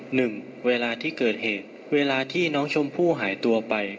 หนึ่งเวลาที่เกิดเหตุเวลาที่น้องชมพู่หายตัวไป